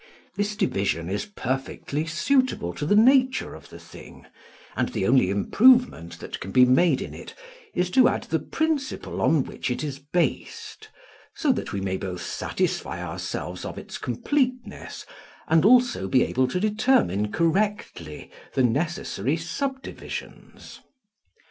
This division is perfectly suitable to the nature of the thing; and the only improvement that can be made in it is to add the principle on which it is based, so that we may both satisfy ourselves of its completeness, and also be able to determine correctly the necessary subdivisions.